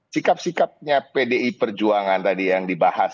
sikap sikapnya pdi perjuangan tadi yang dibahas